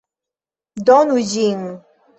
Donu ĝin!